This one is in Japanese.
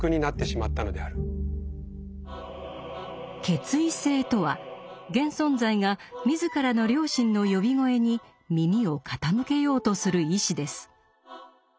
「決意性」とは現存在が自らの「良心の呼び声」に耳を傾けようとする意志です。